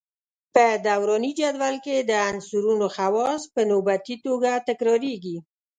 په دوراني جدول کې د عنصرونو خواص په نوبتي توګه تکراریږي.